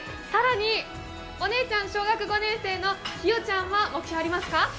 更にお姉ちゃん、小学５年生の姫ちゃんは目標ありますか？